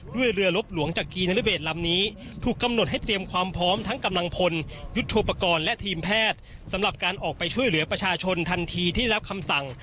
เรือลบหลวงจักรีนรเบศลำนี้ถูกกำหนดให้เตรียมความพร้อมทั้งกำลังพลยุทธโปรกรณ์และทีมแพทย์สำหรับการออกไปช่วยเหลือประชาชนทันทีที่รับคำสั่ง